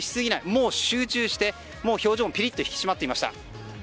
もう集中して表情も引き締まっていました。